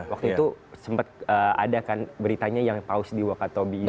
waktu itu sempat ada kan beritanya yang paus di wakatobi ini